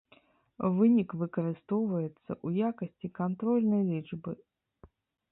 Вынік выкарыстоўваецца ў якасці кантрольнай лічбы.